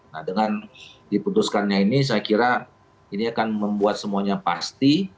nah dengan diputuskannya ini saya kira ini akan membuat semuanya pasti